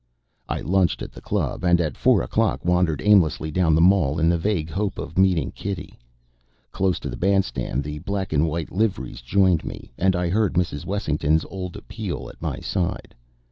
I lunched at the Club, and at four o'clock wandered aimlessly down the Mall in the vague hope of meeting Kitty. Close to the Band stand the black and white liveries joined me; and I heard Mrs. Wessington's old appeal at my side.